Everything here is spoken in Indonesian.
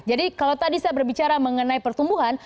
jadi kalau tadi saya berbicara mengenai pertumbuhan